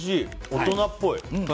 大人っぽい。